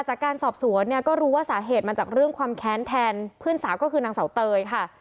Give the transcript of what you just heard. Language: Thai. จากการสอบสวนเนี่ยก็รู้ว่าสาเหตุมาจากเรื่องความแค้นแทนเพื่อนสาวก็คือนางเสาเตยค่ะ